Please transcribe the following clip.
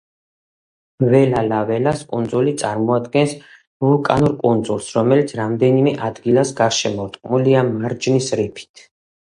ველა-ლაველას კუნძული წარმოადგენს ვულკანურ კუნძულს, რომელიც რამდენიმე ადგილას გარშემორტყმულია მარჯნის რიფით.